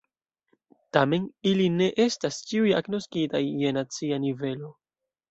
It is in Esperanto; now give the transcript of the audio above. Tamen, ili ne estas ĉiuj agnoskitaj je nacia nivelo.